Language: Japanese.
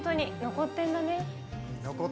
残ってんだよね。